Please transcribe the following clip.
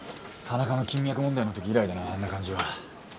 田中の金脈問題の時以来だなあんな感じは。